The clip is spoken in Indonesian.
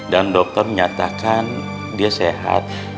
dan dokter menyatakan dia sehat